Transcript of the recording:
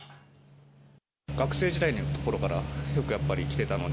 学生時代のところから、よくやっぱり来てたので。